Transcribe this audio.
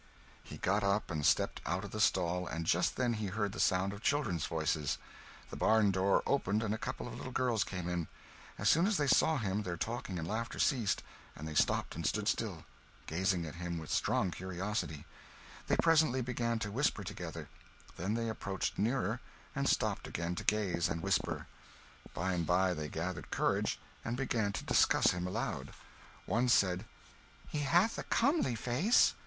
He got up and stepped out of the stall, and just then he heard the sound of children's voices. The barn door opened and a couple of little girls came in. As soon as they saw him their talking and laughing ceased, and they stopped and stood still, gazing at him with strong curiosity; they presently began to whisper together, then they approached nearer, and stopped again to gaze and whisper. By and by they gathered courage and began to discuss him aloud. One said "He hath a comely face."